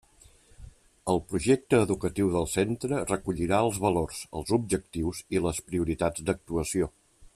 El projecte educatiu del centre recollirà els valors, els objectius i les prioritats d'actuació.